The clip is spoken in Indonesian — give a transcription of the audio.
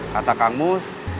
kata kang mus